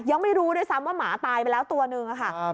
ยังไม่รู้ด้วยซ้ำว่าหมาตายไปแล้วตัวนึงค่ะ